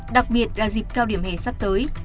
đặc biệt là dịp cao điểm hề sắp tới